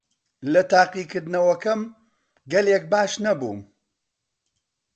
لە تاقیکردنەوەکەم گەلێک باش نەبووم.